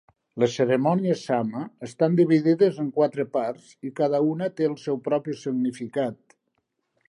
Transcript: Les cerimònies Sama estan dividies en quatre parts i cada una té el seu propi significat.